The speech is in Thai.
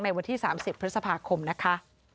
วันที่๓๐พฤษภาคมนะคะ